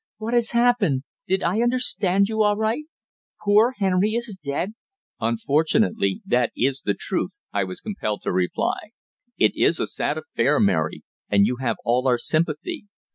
"What has happened? Did I understand you aright? Poor Henry is dead?" "Unfortunately that is the truth." I was compelled to reply. "It is a sad affair, Mary, and you have all our sympathy.